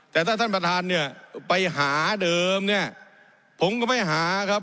แต่ถ้าท่านประธานเนี่ยไปหาเดิมเนี่ยผมก็ไม่หาครับ